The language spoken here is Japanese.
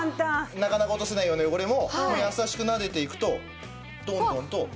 なかなか落とせないような汚れもやさしくなでていくとどんどんと。